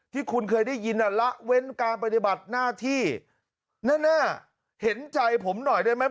ที่คุณเคยได้ยินละเว้นการปฏิบัติหน้าที่แน่เห็นใจผมหน่อยได้ไหม